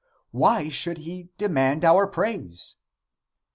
Why should he demand our praise?